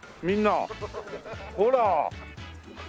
みんなほら。